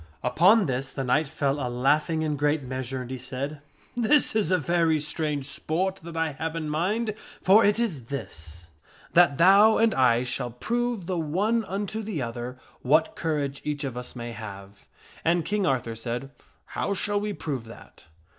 Upon this the knight fell a laughing in 298 THE STORY OF SIR GAWAINE great measure and he said, " This is a very strange sport that I have in mind, for it is this : That thou and I shall prove the one unto the other what courage each of us may have." And King Arthur said, " How shall we prove that